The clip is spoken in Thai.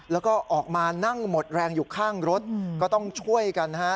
แล้วก็ออกมานั่งหมดแรงอยู่ข้างรถก็ต้องช่วยกันนะฮะ